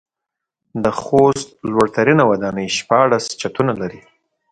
د خوست لوړ ترينه وداني شپاړس چتونه لري.